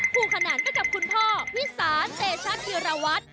ผู้ขนันกับคุณพ่อวิสานเตชะธิรวรรดิ